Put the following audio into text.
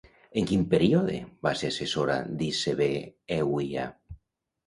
En quin període va ser assessora d'ICV-EUiA?